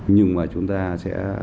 nhưng mà chúng ta sẽ